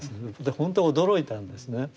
ほんと驚いたんですね。